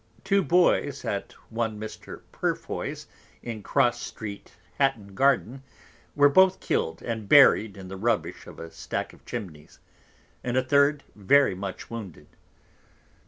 Two Boys at one Mr. Purefoy's, in Cross Street Hatton Garden, were both kill'd, and buried in the Rubbish of a Stack of Chimneys; and a third very much wounded.